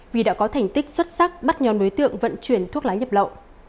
vì đã có thành tích xuất sắc bắt nhòn đối tượng vận chuyển thuốc lái nhập lộ